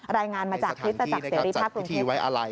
รายงานมาจากคริสตจักรเสรีภาพกรุงเทพ